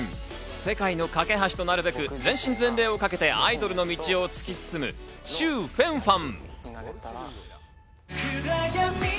世界のかけ橋となるべく全身全霊をかけてアイドルの道を突き進む、シュウ・フェンファン。